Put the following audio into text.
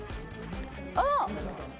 あっ！